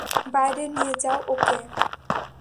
বাইরে নিয়ে যাও ওকে।